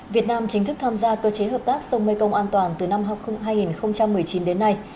việt nam chính thức tham gia cơ chế hợp tác sông mekong an toàn từ năm học hai nghìn một mươi chín đến nay